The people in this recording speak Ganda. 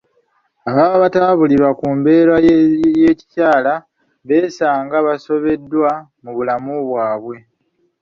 Ababa batabuulirirwa ku mbeera ey'ekikyala beesanga basobeddwa mu bulamu bwabwe.